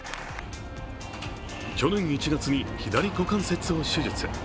去年１月に、左股関節を手術。